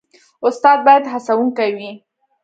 استاد باید هڅونکی وي